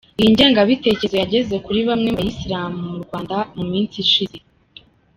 Iyi ngengabitekerezo yageze kuri bamwe mu bayisilamu mu Rwanda mu minsi ishize.